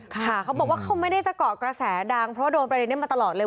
เขาบอกว่าเขาไม่ได้จะเกาะกระแสดังเพราะว่าโดนประเด็นนี้มาตลอดเลย